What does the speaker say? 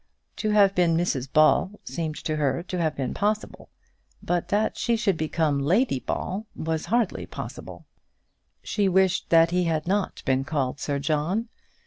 To have been Mrs Ball seemed to her to have been possible; but that she should become Lady Ball was hardly possible. She wished that he had not been called Sir John.